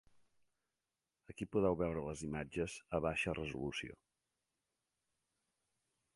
Aquí podeu veure les imatges a baixa resolució.